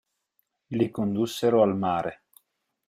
Li condussero al mare.